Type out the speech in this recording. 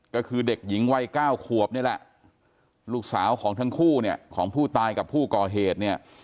ก็คือเด็กหญิงวัยเก้าขวบนี่แหละลูกสาวของทั้งคู่เนี่ยของผู้ตายกับผู้ก่อเหตุเนี่ย